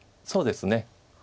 そうですね。